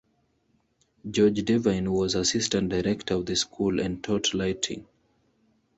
George Devine was assistant director of the school and taught lighting.